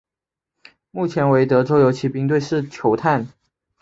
目前为德州游骑兵队球探。